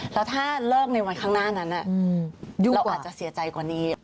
แล้วถ้าเลิกในวันข้างหน้านั้นยูอาจจะเสียใจกว่านี้